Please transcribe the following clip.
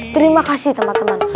terima kasih teman teman